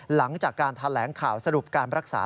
หลังจากการแถลงข่าวสรุปการรักษา